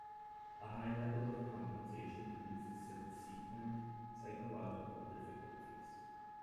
A high level of compensation produces subsequent psychological difficulties.